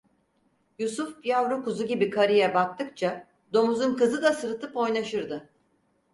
Yusuf yavru kuzu gibi karıya baktıkça domuzun kızı da sırıtıp oynaşırdı.